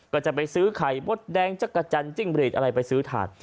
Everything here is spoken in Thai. ก็จะไปซื้อไข่มดแดงจักรจันทร์จิ้งบรีดอะไรไปซื้อถ่าน